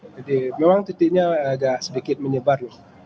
jadi memang titiknya agak sedikit menyebar